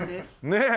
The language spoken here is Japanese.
ねえ。